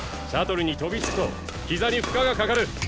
シャトルに飛びつくとひざに負荷がかかる。